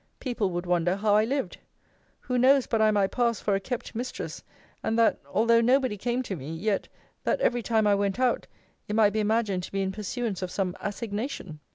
People would wonder how I lived. Who knows but I might pass for a kept mistress; and that, although nobody came to me, yet, that every time I went out, it might be imagined to be in pursuance of some assignation?